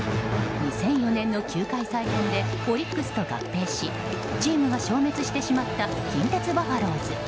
２００４年の球界再編でオリックスと合併しチームが消滅してしまった近鉄バファローズ。